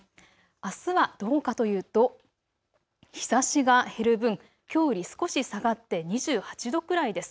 あすはどうかというと日ざしが減る分、きょうより少し下がって２８度くらいです。